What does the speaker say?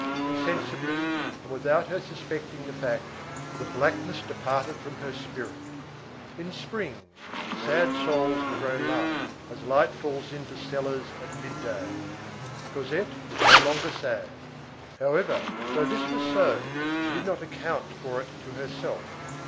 Insensibly, and without her suspecting the fact, the blackness departed from her spirit. In spring, sad souls grow light, as light falls into cellars at midday. Cosette was no longer sad. However, though this was so, she did not account for it to herself.